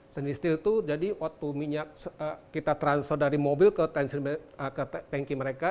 stainley steel itu jadi waktu minyak kita transfer dari mobil ke tanki mereka